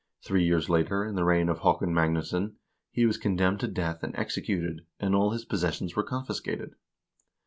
Three years later, in the reign of Haakon Magnusson, he was condemned to death and executed, and all his possessions were confiscated.